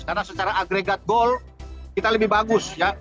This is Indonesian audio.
karena secara agregat gol kita lebih bagus ya